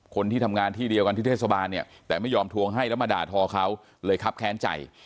คนที่ทำงานที่เดียวกันที่เทศบาลเนี่ยแต่ไม่ยอมทวงให้แล้วมาด่าทอเขาเลยครับแค้นใจ